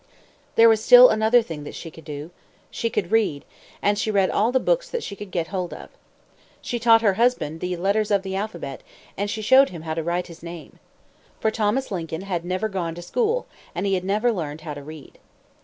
There was still another thing that she could do she could read; and she read all the books that she could get hold of. She taught her husband the letters of the alphabet; and she showed him how to write his name. For Thomas Lincoln had never gone to school, and he had never learned how to read.